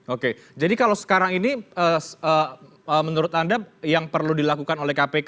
oke jadi kalau sekarang ini menurut anda yang perlu dilakukan oleh kpk